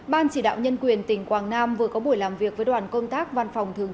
ban chỉ đạo nhân quyền tỉnh quảng nam vừa có buổi làm việc với đoàn công tác văn phòng thường